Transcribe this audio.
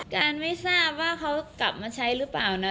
การไม่ทราบว่าเขากลับมาใช้หรือเปล่านะ